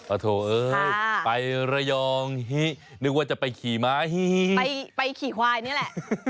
โถเอ้ยไประยองฮินึกว่าจะไปขี่ม้าไปขี่ควายนี่แหละ